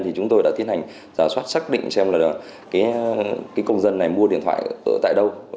thì chúng tôi đã tiến hành giả soát xác định xem là cái công dân này mua điện thoại tại đâu